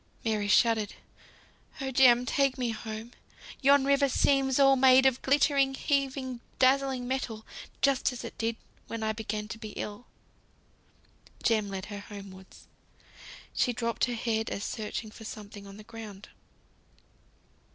Mary shuddered. "Oh, Jem! take me home. Yon river seems all made of glittering, heaving, dazzling metal, just as it did when I began to be ill." Jem led her homewards. She dropped her head as searching for something on the ground.